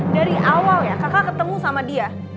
dari awal ya kakak ketemu sama dia